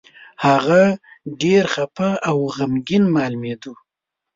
هغه ډېر خپه او غمګين مالومېده.